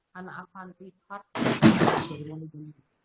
karena akan dikartikan dari mulai jam lima